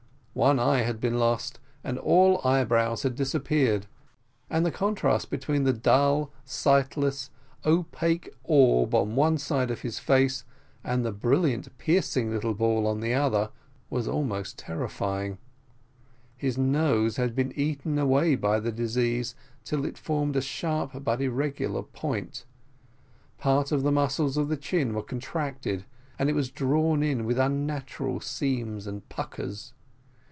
One eye had been lost, and all eyebrows had disappeared and the contrast between the dull, sightless opaque orb on one side of his face, and the brilliant, piercing little ball on the other, was almost terrifying. His nose had been eaten away by the disease till it formed a sharp but irregular point: part of the muscles of the chin were contracted, and it was drawn in with unnatural seams and puckers.